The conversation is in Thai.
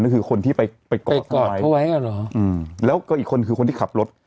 ก็คือคนที่ไปกอดทำไมแล้วก็อีกคนคือคนที่ขับรถ